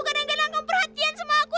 kadang kadang kaum perhatian sama aku